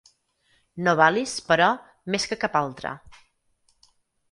Novalis, però, més que cap altre.